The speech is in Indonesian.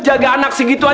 jaga anak segitu aja ya